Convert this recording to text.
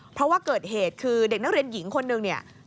เพราะว่าเกิดเหตุคือเด็กนักเรียนหญิงคนหนึ่งเนี่ย